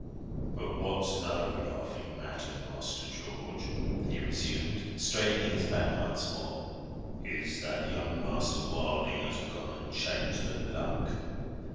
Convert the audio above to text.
"But what's no laughing matter, Master George," he resumed, straightening his back once more, "is, that young Master Wilding has gone and changed the luck.